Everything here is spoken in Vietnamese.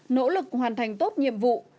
nỗ lực hoàn thành tốt nhiệm vụ